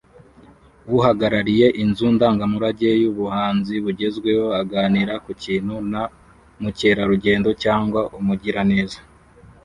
Uhagarariye inzu ndangamurage yubuhanzi bugezweho aganira ku kintu na mukerarugendo cyangwa umugiraneza